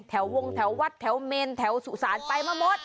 แถววงแถววัดแถวเมนแถวสู่ศาลไปมาหมด